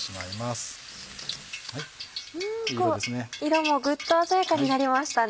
色もグッと鮮やかになりましたね。